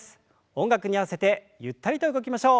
音楽に合わせてゆったりと動きましょう。